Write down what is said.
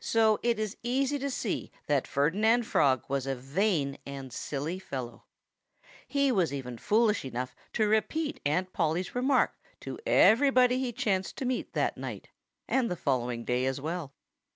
So it is easy to see that Ferdinand Frog was a vain and silly fellow. He was even foolish enough to repeat Aunt Polly's remark to everybody he chanced to meet that night, and the following day as well.